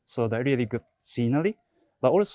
jadi ini kondisi yang sangat bagus